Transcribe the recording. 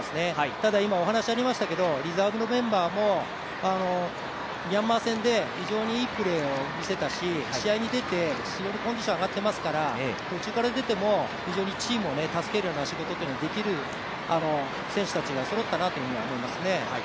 ただ、リザーブのメンバーもミャンマー戦で非常にいいプレーを見せたし試合に出てコンディション上がってますから途中から出ても非常にチームを助けるような仕事というのができる選手たちがそろったなというふうには思いますね。